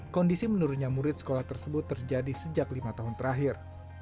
kondisi menurutnya murid sekolah tersebut terjadi sejak lima tahun terakhir